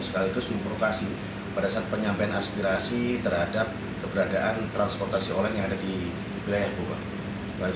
sekaligus memprovokasi pada saat penyampaian aspirasi terhadap keberadaan transportasi online yang ada di wilayah bogor